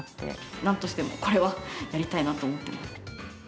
なんとしてもこれはやりたいなと思ってます。